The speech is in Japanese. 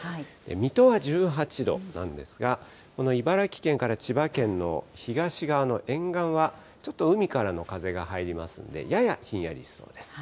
水戸は１８度なんですが、この茨城県から千葉県の東側の沿岸は、ちょっと海からの風が入りますんで、ややひんやりしそうです。